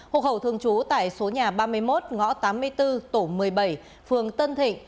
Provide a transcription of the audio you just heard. hộ khẩu thường trú tại số nhà ba mươi một ngõ tám mươi bốn tổ một mươi bảy phường tân thịnh